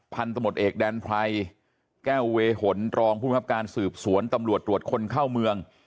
พันธมตเอกแดนไพรแก้วเวหนรองภูมิครับการสืบสวนตำรวจตรวจคนเข้าเมือง